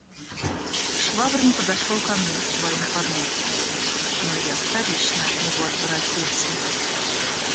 Швабрин подошел ко мне с своим подносом; но я вторично от него отворотился.